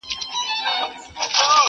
شین طوطي کیسې د ټوکو جوړولې!